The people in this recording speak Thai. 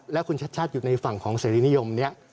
และคุณชัดอยู่ในฝั่งของเสรีนิยมนี่